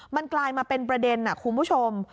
มันกลายมาเป็นประเด็นคุณผู้ชม